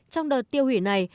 trong đợt tiêu hủy này